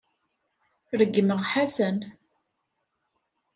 Regmeɣ Ḥasan.